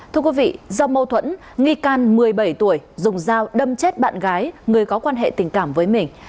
thưa quý vị do mâu thuẫn nghi can một mươi bảy tuổi dùng dao đâm chết bạn gái người có quan hệ tình cảm với mình